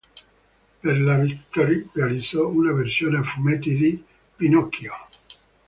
Per la Victory realizzò una versione a fumetti di "Pinocchio".